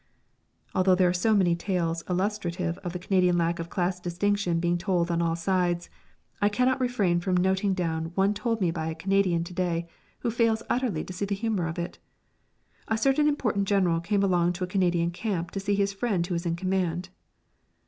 Although there are so many tales illustrative of the Canadian lack of class distinction being told on all sides, I cannot refrain from noting down one told me by a Canadian to day who fails utterly to see the humour of it. A certain important general came along to a Canadian camp to see his friend who was in command.